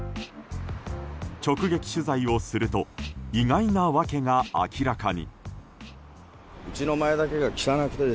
直撃取材をすると意外な訳が明らかに。